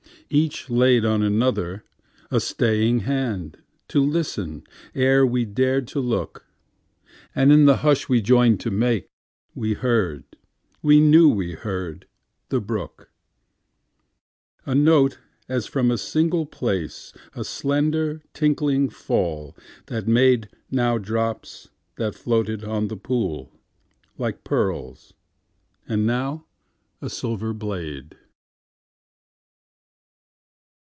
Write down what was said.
Each laid on other a staying handTo listen ere we dared to look, And in the hush we joined to makeWe heard—we knew we heard—the brook.A note as from a single place,A slender tinkling fall that madeNow drops that floated on the poolLike pearls, and now a silver blade.